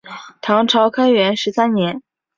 唐朝开元十三年。